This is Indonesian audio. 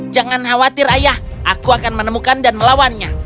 jangan khawatir ayah aku akan menemukan dan melawannya